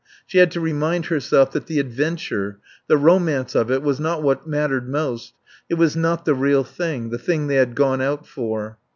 She had to remind herself that the adventure, the romance of it was not what mattered most; it was not the real thing, the thing they had gone out for.